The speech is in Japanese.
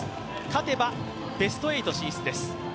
勝てばベスト８進出です。